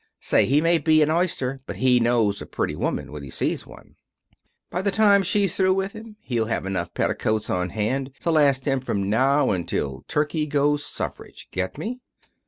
Say, he may be an oyster, but he knows a pretty woman when he sees one. By the time she's through with him he'll have enough petticoats on hand to last him from now until Turkey goes suffrage. Get me?"